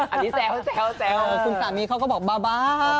อันนี้แซวแซวแซวคุณสามีเขาก็บอกเบา